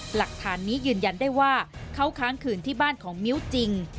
หลักฐานนี้ยืนยันได้ว่าเขาค้างคืนที่บ้านของมิ้วจริง